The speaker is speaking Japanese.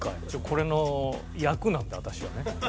これの役なんだ私はね。